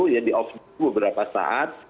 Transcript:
ya di off dulu beberapa saat